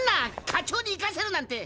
課長に行かせるなんて。